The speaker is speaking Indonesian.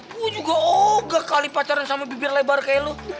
gue juga oga kali pacaran sama bibir lebar kayak lu